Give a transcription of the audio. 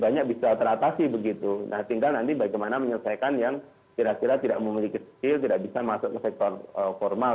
nah tinggal nanti bagaimana menyelesaikan yang kira kira tidak memiliki skill tidak bisa masuk ke sektor formal